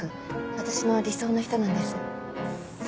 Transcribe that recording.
私の理想の人なんです。